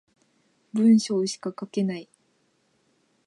文章しか書けない